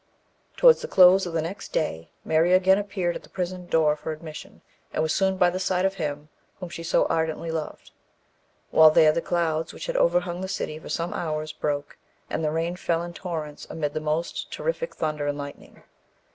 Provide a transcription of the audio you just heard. Towards the close of the next day, Mary again appeared at the prison door for admission, and was soon by the side of him whom she so ardently loved. While there the clouds which had overhung the city for some hours broke, and the rain fell in torrents amid the most terrific thunder and lightning.